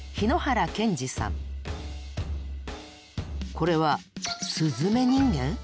これはスズメ人間？